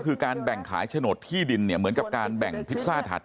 คือการแบ่งขายโฉนดที่ดินเนี่ยเหมือนกับการแบ่งพิซซ่าถัด